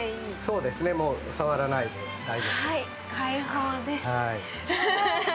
そうですね、もうさわらないで大丈夫です。